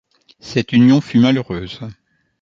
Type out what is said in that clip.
Cette union fut malheureuse.